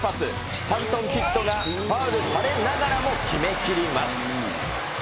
スタントン・キッドがファウルされながらも決めきります。